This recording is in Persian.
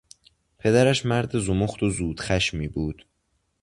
پدرش مرد زمخت و زودخشمی بود.